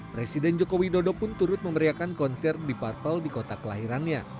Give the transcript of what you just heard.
presiden jokowi dodo pun turut memberiakan konser deep purple di kota kelahirannya